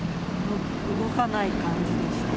動かない感じでした。